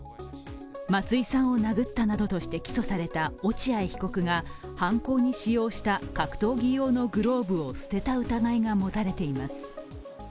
松井さんを殴ったなどとして起訴された落合被告が犯行に使用した格闘技用のグローブを捨てた疑いが持たれています。